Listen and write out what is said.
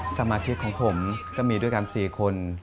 สมาชิกของผมก็มีด้วยกัน๔คน